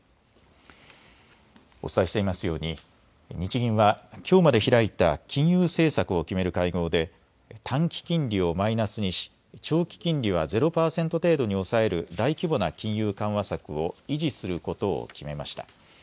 お伝えしていますように日銀はきょうまで開いた金融政策を決める会合で短期金利をマイナスにし長期金利はゼロ％程度に抑える大規模な金融緩和策を維持することを決めました。